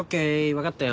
わかったよ。